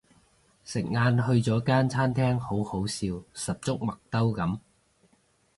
食晏去咗間餐廳好好笑十足麥兜噉